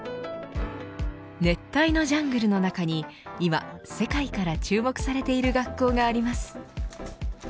熱帯のジャングルの中に今、世界から注目されている学校があります。